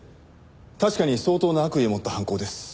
確かに相当な悪意を持った犯行です。